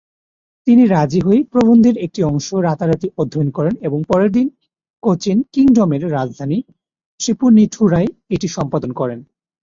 তিনি রাজি হয়ে "প্রবন্ধের" একটি অংশ রাতারাতি অধ্যয়ন করেন এবং পরের দিন কোচিন কিংডমের রাজধানী ত্রিপুনিথুরায় এটি সম্পাদন করেন।